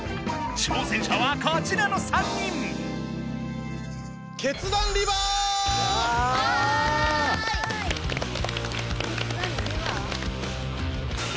挑戦者はこちらの３人。わい！